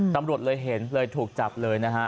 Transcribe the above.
ตำรวจเลยเห็นเลยถูกจับเลยนะฮะ